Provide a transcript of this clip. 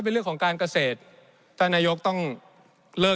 ในช่วงที่สุดในรอบ๑๖ปี